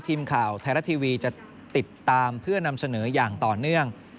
ทีมข่าวไทยรัฐทีวีจะติดตามเพื่อนำเสนออย่างต่อเนื่อง